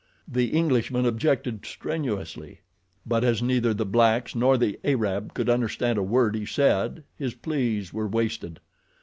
The Englishman objected strenuously; but as neither the blacks nor the Arab could understand a word he said his pleas were wasted.